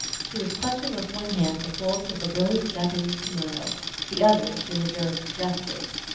She was clutching with one hand the folds of a brilliant Japanese kimono, the other she reserved for gestures.